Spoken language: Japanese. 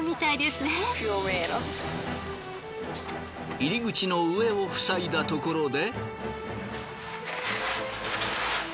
入り口の上を塞いだところで。